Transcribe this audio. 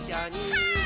はい。